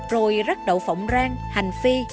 rồi rắc đậu phộng rang hành phi